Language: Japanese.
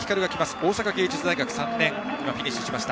大阪芸術大学３年フィニッシュしました。